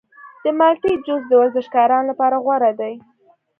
د مالټې جوس د ورزشکارانو لپاره غوره دی.